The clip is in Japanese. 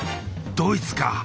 ドイツか。